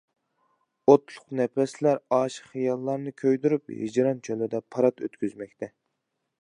ئوتلۇق نەپەسلەر ئاشىق خىياللارنى كۆيدۈرۈپ، ھىجران چۆلىدە پارات ئۆتكۈزمەكتە.